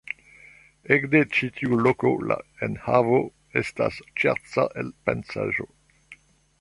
Ekde ĉi tiu loko la enhavo estas ŝerca elpensaĵo.